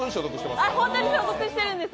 本当に所属してるんです。